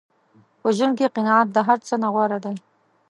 په ژوند کې قناعت د هر څه نه غوره دی.